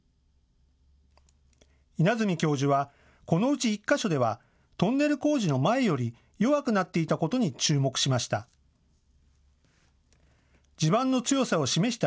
稲積教授は、このうち１か所ではトンネル工事の前より弱くなっていたことに注目しました。